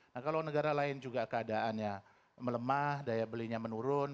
nah kalau negara lain juga keadaannya melemah daya belinya menurun